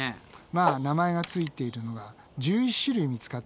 まあ名前がついているのが１１種類見つかってるね。